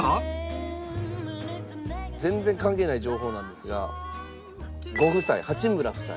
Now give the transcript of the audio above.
全然関係ない情報なんですがご夫妻八村夫妻。